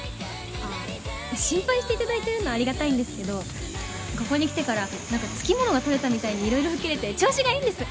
ああ心配して頂いてるのはありがたいんですけどここに来てからつきものが取れたみたいにいろいろ吹っ切れて調子がいいんです。